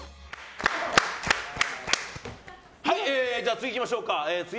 次いきましょうか。